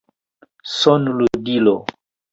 Son-ludilo